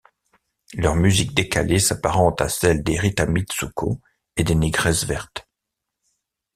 Leur musique décalée s'apparente à celle des Rita Mitsouko et des Négresses Vertes.